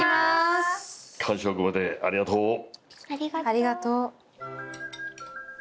ありがとう。